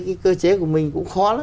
cái cơ chế của mình cũng khó lắm